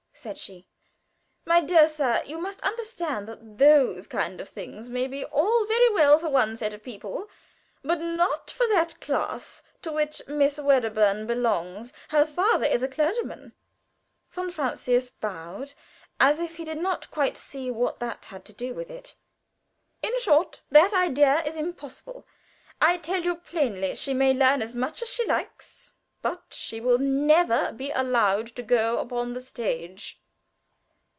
said she. "My dear sir, you must understand that those kind of things may be all very well for one set of people, but not for that class to which Miss Wedderburn belongs. Her father is a clergyman" von Fraucius bowed, as if he did not quite see what that had to do with it "in short, that idea is impossible. I tell you plainly. She may learn as much as she likes, but she will never be allowed to go upon the stage."